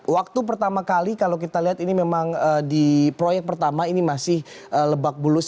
waktu pertama kali kalau kita lihat ini memang di proyek pertama ini masih lebak bulus